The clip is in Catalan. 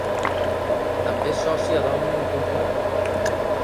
També és sòcia d’Òmnium Cultural.